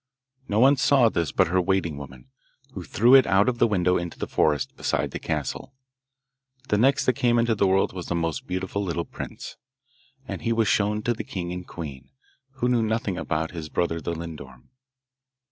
No one saw this but her waiting woman, who threw it out of the window into the forest beside the castle. The next that came into the world was the most beautiful little prince, and he was shown to the king and queen, who knew nothing about his brother the lindorm.